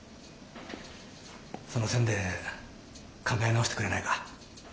その線で考え直してくれないか？